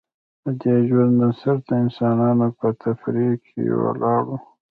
ددې ژوند بنسټ د انسانانو پر تفرقې ولاړ و